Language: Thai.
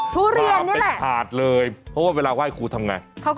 ทุเรียนนี่แหละมาเป็นหลากภาษณ์เลยเพราะว่า